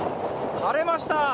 晴れました。